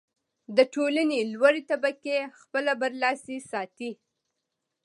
د ټولنې لوړې طبقې خپله برلاسي ساتي.